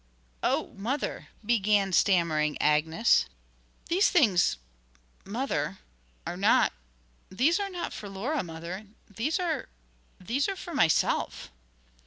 'Oh, mother,' began stammering Agnes, 'these things mother are not these are not for Laura, mother. These are these are for myself.'